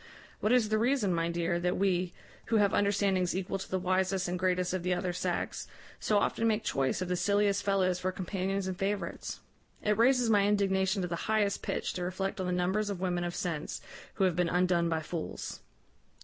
What is the reason, my dear, that we, who have understandings equal to the wisest and greatest of the other sex, so often make choice of the silliest fellows for companions and favourites? It raises my indignation to the highest pitch to reflect on the numbers of women of sense who have been undone by fools."